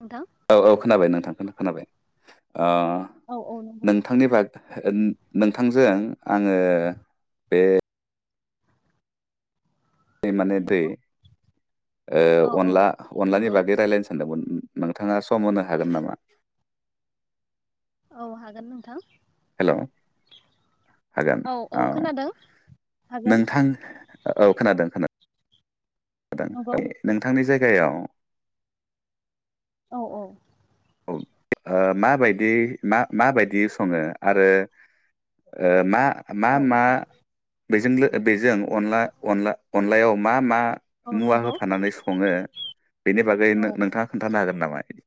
नोंथां। औ औ खोनाबाय नोंथां खौ खोनाबाय। ओ औ औ नंगौ नोंथांनि बाग नोंथांजों। आङो बे बे माने दे नंगौ औ ओ औ अनला अनलानि नंगौ बागै रायलायनो सानदोंमोन। नोंथाङा सम होनो हागोन नामा? औ हागोन नोंथां। हेलौ हागोन औ हागोन नोंथां औ खोनादों खोना नंगौ [unintelligible] नोंथांनि जाय गायाव औ औ ओ माबायदि मा-माबायदि सङो आरो ओ मा मा औ मा? औ बेजों बेजों अनला अनला अनलायाव मा मा। औ मुवा नंगौ होफानानै सङो बेनि बागै औ नो-नोंथाङा खोन्थानो हागोन नामा इदि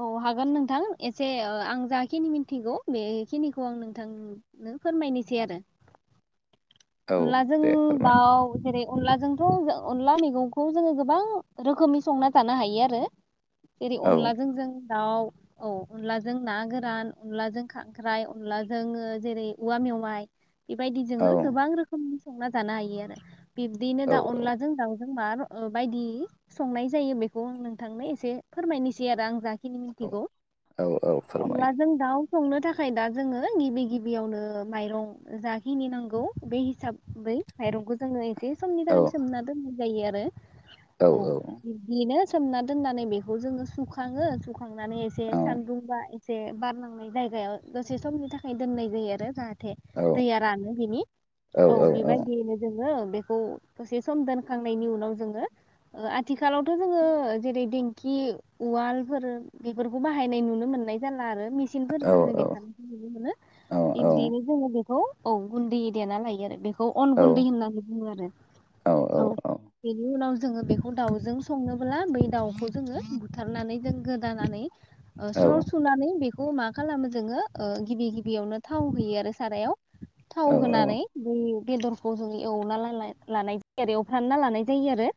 औ हागोन नोंथां एसे ओ आं जाखिनि मिनथिगौ बेखिनिखौ आं नोंथांनो फोरमायनोसै आरो। औ अनलाजों दे फोरमाय दाउ जेरै अनलाजोंथ' अनला मैगंखौ जोङो गोबां रोखोमनि संना थानो हायो आरो। जेरै औ अनलाजों जों दाउ औ अनलाजों ना गोरान अनलाजों खांख्राइ अनलाजों जेरै औवा मेवाइ बेबायदि औ जोङो। गोबां रोखोमनि संना जानो हायो आरो। बिब्दिनो दा औ अनलाजों दाव। मा ओ बायदि संनाय जायो बेखौ नोंथांनो एसे फोरमायनोसै आरो आं जा खिनि औ मिथिगौ औ औ फोरमाय अनलाजों दाउ संनो थाखाय दा जोङो गिबि गिबियावनो माइरं जाखिनि नांगौ। बे हिसाब बै माइरंखौ जोङो। जे समनि औ थाखाय सोमना दोन जायो आरो। औ औ अ बिनो। सोमना दोन्नानै बेखौ जोङो सुखाङो। खांनानै एसे औ सानदुंबा एसे बार नांनाय जायगायाव दसे समनि थाखाय दोननाय जायो आरो जाहाथे थे औ दैया रानो बिनि औ बेबायदियैनो जों। बेखौ दसे सम दोनखांनायनि उनाव जोङो आथिखालावथ' जोङो जेरै देंखि उवालफोर बेफोरखौ बाहायनाय नुनो मोननाय जाला आरो। मेचिनफोर औ जोंनो देखानायखौ नुनो मोनो इब्दिनो जोङो बेखौ औ गुन्दै देना लायो आरो बेखौ खौ अन गुन्दै होननानै बुङो आरो औ। जोङो बेखौ दाउजों संनोब्ला बै दाउखौ जोङो बुथारनानै जों गोदानानै ओ स्र सुनानानै बे खौ मा खालामो जोङो ओ गिबि गिबियावनो औ औ। बे बेदरखौ जों एवना लानाय जायो आरो एवफ्रानना लानाय जायो आरो।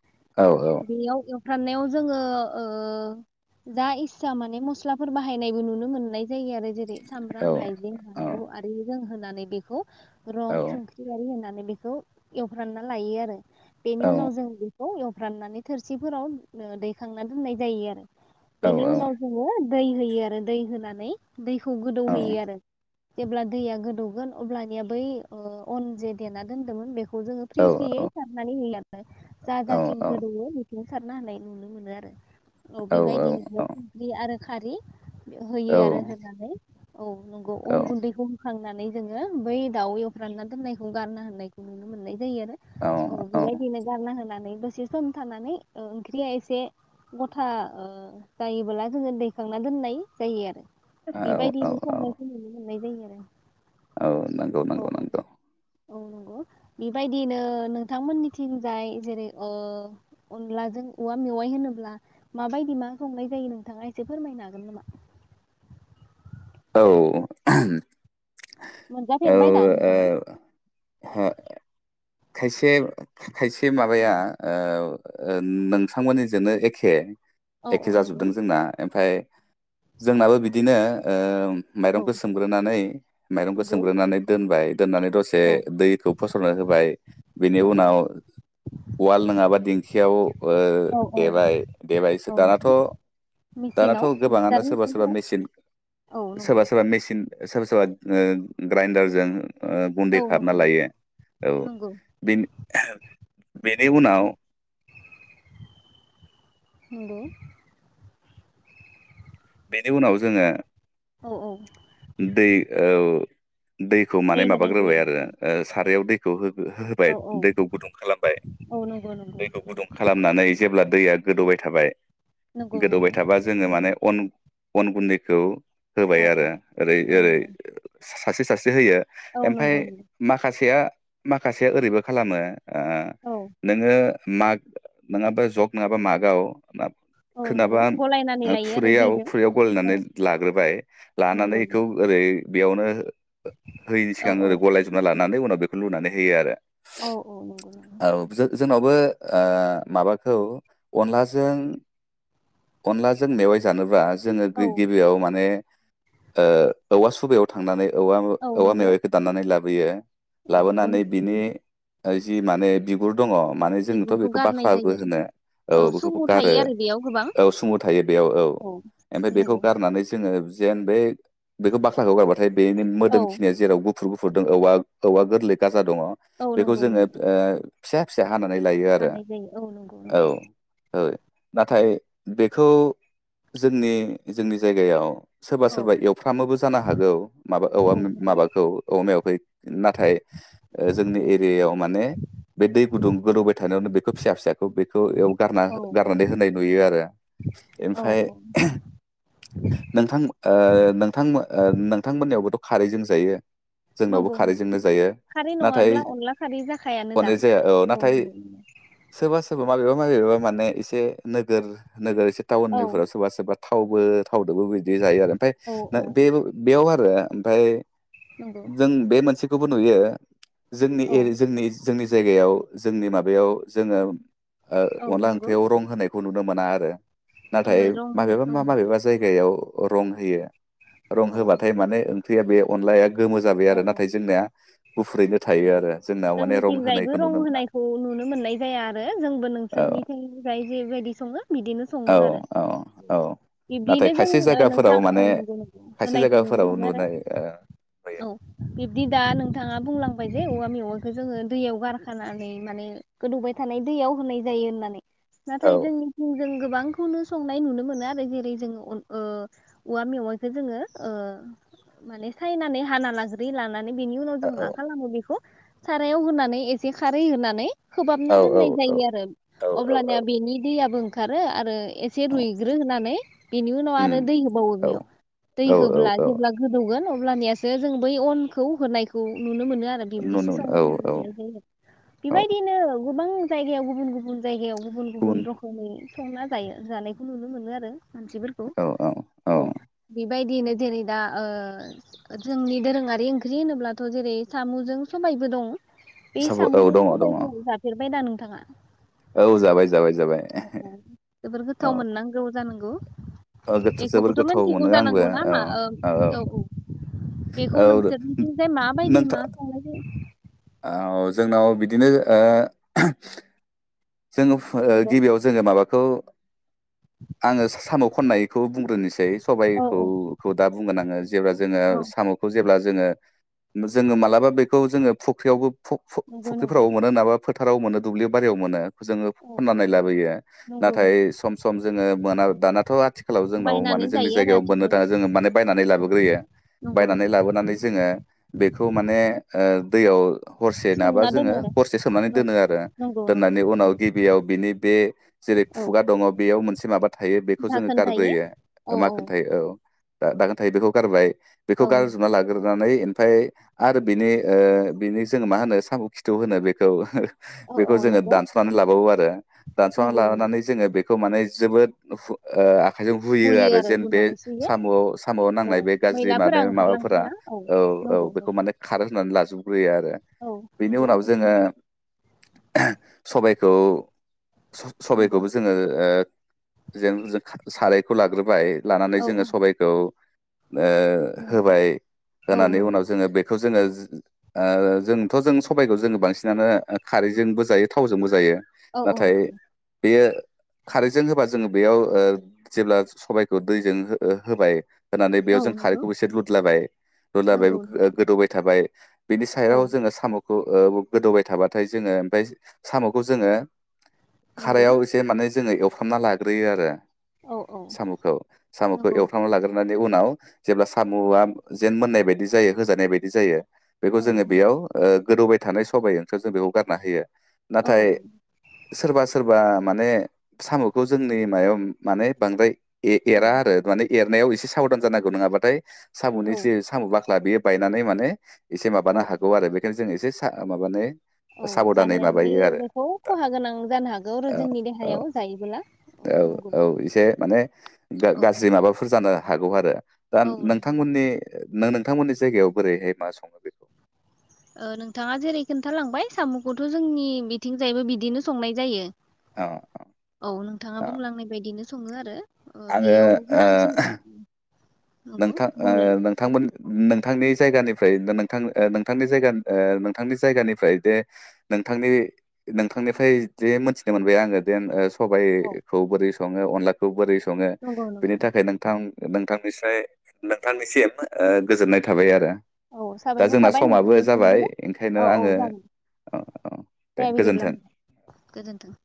बेयाव एव फ्राम नायाव जोङो ओ जा इस्सा माने मस्लाफोर बाहायनायबो नुनो मोननाय जायो आरो जेरै सामब्राम हाइजें बानलु आरो जों होना नै बेखौ। रं थाव आरि होनानै बेखौ एवफ्रानना लायो आरो। बेनि उनाव जों बेखौ एव राननानै थोरसिफोराव ओ दैखांना दोननाय जायो आरो। औ बेनि उनाव जोङो दै होयो आरो दै होनानै दैखौ गोदौहैयो आरो। जेब्ला दैया गोदौगोन अब्लानिया बै अ अन जे देना दोनदोंमोन बेखौ खौ जोङो औ फ्रि-फ्रियै औ सारनानै होयोआरोना जा जाथिं गोदौवो बिथिं सारना हानाय नुनो मोनो आरो। औ बेबायदिनो आरो बे आरो खारि। होयो आरो होनानै औ नंगौ अन गुन्दैखौ होखांनानै जोङो बै दाउ एव फ्रामना दोननायखौ गारना होननायखौ नुनो मोननाय जायो आरो औ बेबायदिनो गारना होनानै दसे सम थानानै ओ ओंख्रिया एसे गथा ओ जायोबोब्ला जोङो दैखांना दोननाय जायो आरो। बेबायदिनो संनायखौ नुनो मोननाय जायो आरो। द। औ मोन नांगौ-नांगौ-नांगौ। औ नंगौ बेबायदिनो नोंथांमोननिथिंजाय जेरै ओ अनलाजों औवा मेवाइ होनोब्ला माबायदि मा संनाय जायो नोंथाङा एसे फोरमायनो हागोन नामा? औ [unintelligible] औ ओ मोनजाफेरबाय दा नोंथाङा हा खायसेब खायसे माबाया ओ ओ नोंथांमोननिजोंनो एखे औ एखे औ नंगौ जाजोबदों जोंना एमफाय जोंनाबो बिदिनो ओम औ माइरंखो सोमग्रोनानै माइरंखो नंगौ सोमग्रोनानै दोनबाय दोननानै दसे औ दैखौ फोसरनो होबाय बेनि नंगौ नंगौ उनाव वाल नङाबा दिंखियाव ओ औ औ देबाय देबायसो औ दानाथ' नंगौ दानाथ' मेचिनाव मिक्सार गोबाङानो सोरबा-सोरबा मेचिनफोराव मेसिन औ नंगौ सोरबा-सोरबा मेसिन सोरबा सोरबा ओ ग्राइनडारजों ओ गुन्दै औ खामना नंगौ लायो औ नंगौ बिन [unintelligible] बिन बे उनाव नंगौ बेनि उनाव जोङो औ औ दै औ दैखौ दै माने होनाय माबाग्रोबाय जायो आरो औ ओ सारायाव दै खौ हो हो-होबाय औ औ दैखौ गुदुं खालामबाय औ नंगौ नंगौ दैखौ गुदुं खालामनानै जेब्ला दैया गोदौबाय थाबाय नंगौ नंगौ गोदौबाय थाबा जोङो माने अन अन गुन्दखौ होबाय औ आरो औ ओरै औ ओरै नंगौ ओ सासे सासे सास दो होयो औ एमफाय नंगौ नंगौ माखासेया माखासे ओरैबो खालामो ओ औ नोङो माग नोंङाबा जग नोंङाबा मागाव नाब औ नंगौ गलायनानै लायो आरो दैजों याव औ गलानानै लाग्रोबाय लानानै नंगौ खौ ओरै। बे बेयावनो। होयिनि औ सिगां औ ओरै गलायजोबना ला। नानै उनाव बेखौ लुनानै होयो आरो। औ औ नंगौ नंगौ औ जों-जोंनावबो। ओ माबाखौ अनलाजों। अनलाजों मेवाय जानोब्ला। जोङो औ गिबियाव माने। ओ औवा सुबायाव थांनानै। औवा मेव औ औवा नंगौ मेवाइखौ दाननानै लाबो। बेयो। औ नंगौ लाबोनानै बिनि। जि माने बिगुर। दङ माने जोंनोथ' बिगुरखौ बेखौ गारनाय बाख्लाबो जायो आरो होनो औ बेखौबो सुमु गारो। थायो आरो बेयाव गोबां औ सुमु थायो बेयाव औ ओमफ्राय बेखौ नंगौ गारनानै जोङो। जेन बे। बेखौ बाख्लाखौ गारबाथाय बेनि औ मोदोमखिनिया जेराबो। गुफुर गुफुरदों औवा औवा गोर्लै गा जा दङ औ बेखौ नंगौ जोङो ओ। नंगौ फिसा फिसा। हानानै लायो आरो हानाय जायो औ नंगौ औ। नंगौ ओ नाथाय। बेखौ जोंनि जोंनि जायगायाव। सोरबा औ सोरबा एवफ्रामोबो जानो हागौ माबा औवा औ मे नंगौ नंगौ माबाखौ औवा मेवायखौ। थायो। ओ जोंनि एरियायाव माने बै दै गुदुं गोदौबाय थानायावनो बेखौ फिसा फिसाखौ बेखौ एव। गारना औ हो गारनानै होननाय नुयो आरो। औ ओमफाय औ नोंथां। ओ नोंथां मो ओ नोंथांमोननियावबोथ' खारैजों जायो। जोंनावबो नंगौ नंगौ खारैजोंनो जायो खारै नाथाय नङाब्ला अनला खारै जाखायानो दा हननाय जाया औ नाथाय सोरबा सोरबा माबेबा माबेबा माने एसे। नोगोर। नोगोर। औ ताउननि फोरा सोरबा सोरबा। थावबोर थावदोबो बिदि जायो आरो ओमफ्राय औ ना औ बे बो बेयाव आ ओआ ओमफाय नंगौ जों बे मोनसे खौबो नुयो। जोंनि औ एरि जोंनिस जोंनिस जायगायाव जोंनि माबायाव जोङो। ओ औ अनदला नंगौ ओंख्रियाव रं होनाय। खु नुनो मोनाद दे नाथाय रं होनाय माबेबा औ मा नंगौ माबेबा जायगायाव रं होयो। रं होबाथाय माने ओं फैया बे अनलायाक अ अ गुफुरैनो थायो आरो जोंनाव माने रं जोंनिथिंजायबो होनायखौ रं नुनो मोना होनायखौ नुनो मोननाय जाया आरो जोंबो औ नोंसोरनिथिं जाय जेबायदि सङो बि बिदिनो औ सङो आरो औ औ नाथाय बिब्दिनो खायसे जों जायगाफोराव नोंथां माने औ नंगौ नंन खायसे होनायखौ नुनो जायगाफोराव मोनो आरो नुनाय ओ नुयो। औ बिब्दि दा नों बिथाङा बुंलांबाय जे औवा मेवाखो जोङो दैयाव गारखानानै माने गोदौबाय थानाय दैयाव होनाय जायो होननानै। औ नाथाय जोंनिथि जों गोबांखौनो संनाय नुनो मोनो आरो जेरै जों ओ औवा मेवाइखौ जोङो ओ माने सायनानै हा हाना लाग्रोयो लानानै नानै बिनि उनाव जों मा औ खालामो बेख? सारायाव होनानै एसे खारै होनानै खोबहाबना औ दोननाय औ जायो आरो औ अब्लानिया औ बेनि दैयाबो खारो आरो एसे औ रुइग्रो होनानै बेनि उनाव आरो उम दै होबावो औ बेयाव दै औ औ होब्ला औ जेब्ला गोदौगोन अब्ल ब्लानियास जे जों बै अनखौ होनायखौ नुनो मोनो आं आरो बिबदिसो नुनो मोनो संनाय औ औ नुनो जायो औ बेबायदिनो गोबां जायगायाव गुबुन गुबुन जायगायाव बो गुबुन गुबुन रखमै संना जायो जानायखौ नुनो मोनो आरो। मानसिफोरखौ औ औ औ बिब बायदियैनो जेरै दा ओ जोंनि दोरोङारि ओंख्रि होनोब्लाथ' जेरै सामु'जों सबायबो दं। बे साब औ साम'जों दङ दङ सबाय खौ जाफेरबाय दा नोंथ थाङा औ जाबाय जाबाय जाबाय औ औ जोबोर गोथाव मोननांगौ जानांगौ गु? अ गोथव जोबोर गोथाव मोनो आंबो ना अ मा ओ औ औ औ बेखौ नोंसोरनिथिंजाय माबायदि नोंथां मा संनाय जायो? [inaudible] औ जोंनाव बिदिनो ओ [inaudible] जोङो फु नंगौ गिबियाव जोङो माबा अ आङो सा-साम' खननायखौ बुंग्रोनोसै औ औ सबायखौ-खौ दा बुंगोन आङो जेब्ला जोङो औ साम'खौ जेब्ला जोङो जोङो मालाबा बेखौ जोङो फुख्रियावबो नंगौ नंगौ फु-फु-फुख्रिफ्राव मोनो नङाबा फोथाराव मोनो दुब्लि बारियाव मोनो जोङो औ खन्नानै नंगौ लाबोयो नंगौ नाथाय नंगौ सम सम जोङो मोना, दानाथ' थिखालाव जोंनाव माने बायनानै जोंनि जायो आरो जायगायाव मोननो आथिखालाव थाङा जोङो माने बायनानै लाबोग्रोयो नंगौ बायनानै नंगौ लाबोनानै जोङो बेखौ माने ओ दैयाव हरसे नाबा सोमना जोङो दोनो आरो हरसे सोमनानै औ दोनो आरो नंगौ नंगौ दोननानै उनाव गिबियाव बिनि बे जेरै औ खुगा दङ बेयाव मोनसे मा बा थायो बेखौ जोङो दाखोन थायो गारग्रोयो औ मा औ खोन्थायो औ दा-दाखोन थायो बेखौ गारबाय बेखौ औ नंगौ गारजोबना लाग्रोनानै ओमफ्राय आरो बिनि ओ बिनि जोङो मा होनो साम' खिथौ होनो बेखौ औ औ बेखौ जोङो नंगौ दानस लाबावो आरो दानस'नानै नंगौ नंगौ लानानै जोङो बेखौ खौ माने जोबोद हु ओ आखाइजों हुयो आरो जेन बे साम'-साम'आव औ नांनाय बे गाज्रि मैलाफोरा माने ओंखारलांथों माबाफोरा ना औ नंगौ औ बेखौ नंगौ माने खारो होननानै लाजायो। हुयो आरो औ बेनि नंगौ उनाव जोङो [inaudible] सबायखौ नंगौ स-सबबायखौबो जोंङो ओ जेन जों साराय लाग्रोबाय लानानै औ जोंङो औ सबायखौ ओ नंगौ होबाय औ होननि नंगौ उनाव जोंङो बेखौ जोंङो ओ जोंथ' जों सबबायखौ जोंङो बांसिनानो खारैजोंबो जायो। थावजोंबो जायो। औ औ नाथाय नंगौ बेयो खारैजों होबा जोंङो बेयाव ओ जेब्ला सबायखौ दैजों होबाय होनानै औ बेयाव जों नंगौ खारैखौ एसे लुदलाबाय लुदलाबाय नंगौ गोदौबाय थाबाय बेनि औ सायाव जोंङो साम' खौ औ गोदौबाय थाबाथाय जोंङो ओमफाय साम'खौ जोंङो नंगौ खारायाव एसे माने जोंङो एवफ्रामना लाग्रोयो आरो। औ औ सामु खौ सामुखौ नंगौ एवफ्राम ना लागोर नानै उनाव जेब्ला साम'आ जेन मोननाय बायदि जायो होजानाय बायदि जायो बेखौ औ जोंङो नंगौ बेयाव गोदौबाय थानाय सबायाइ ओंखोर जों बेखौ गारना होयो। औ नाथाय सोरबा सोरबा माने साम'खौ जोंनि मायाव माने बांद्राय ए एरा औ आरो माने एरनायाव एसे साबदान जानांगौ नङाबाथाय साम'नि औ जे साम' बा ला बेयो बायनानै माने एसे माबानो औ हागौ आरो बेखायनो जों एसे हा माबानै औ जानायाव नि बेखौ खहा गोनां जानो हागौ आरो औ जोंनि औ देहायाव जायोबोला। औ नंगौ औ एसे माने गा- औ गाज्रि माबाफोर जानो हागौ आरो। दा औ नंगौ नोंथांमोननि नो नों थांमोननि जायगायाव बोरैहाय मा संङो बेखौ ओ नोंथांङा जेरै खोन्थालांबाय साम'खौथ' जोंनि बिथिंजायबो बिदिनो संनाय जायो। अ औ नोंथाङा अ बुंलांनाय बायदिनो। सङो आरो। ओ आङो बेयाव ओ गोनांसिन। नंगौ नोंथां बुंलाय ओ नोंथांमोन नोंथांनि जायगानिफ्राय‌ नोंथां नोंथांनि जायगा ओ नोंथांनि जायगानिफ्राय दे नोंथांनि नोंथांनिफ्राय जे मिथिनो मोनबाय आङो देन ओ औ सबाइखौ बोरै सङो अनलाखौ बोरै सङो नंगौ बिनि नंगौ थाखाय नोंथां नोंथां निसाय नोंथांनिसिम ओ गोजोननाय थाबाय आरो। औ दा साबायखर जोंना थाबाय समाबो नोंथांनिसिमबो जाबाय ना ओंखायनो औ औ आङो जागोन औ औ दे बिदिब्ला गोजोन्थों। नोंथां गोजोन्थों।